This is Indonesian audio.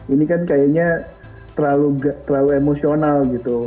ini kan kayaknya terlalu emosional gitu